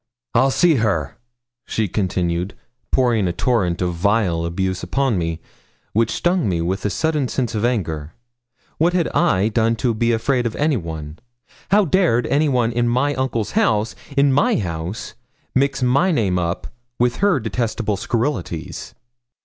'I'll see her,' she continued, pouring a torrent of vile abuse upon me, which stung me with a sudden sense of anger. What had I done to be afraid of anyone? How dared anyone in my uncle's house in my house mix my name up with her detestable scurrilities?